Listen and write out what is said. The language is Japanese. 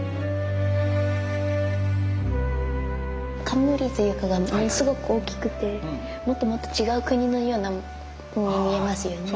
冠というかがものすごく大きくてもっともっと違う国のように見えますよね。